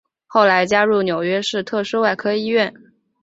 后来加入纽约市特殊外科医院。